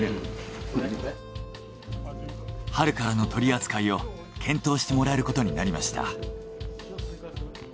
春からの取り扱いを検討してもらえることになりました。